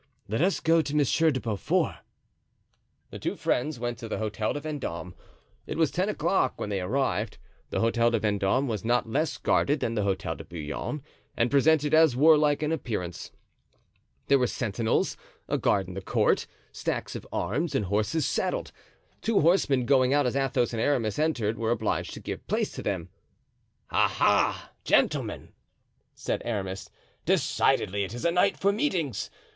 Let us go to Monsieur de Beaufort." The two friends went to the Hotel de Vendome. It was ten o'clock when they arrived. The Hotel de Vendome was not less guarded than the Hotel de Bouillon, and presented as warlike an appearance. There were sentinels, a guard in the court, stacks of arms, and horses saddled. Two horsemen going out as Athos and Aramis entered were obliged to give place to them. "Ah! ah! gentlemen," said Aramis, "decidedly it is a night for meetings.